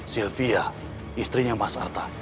sylvia istrinya mas arta